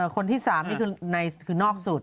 คนนที่๓นี่คือไม้คือนอกสุด